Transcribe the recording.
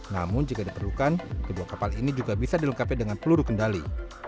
namun jika diperlukan kedua kapal ini juga bisa dilengkapi dengan peluru kendali